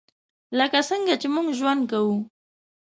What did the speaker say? لکه څنګه چې موږ ژوند کوو .